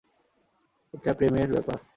এটা প্রেমের ব্যাপার।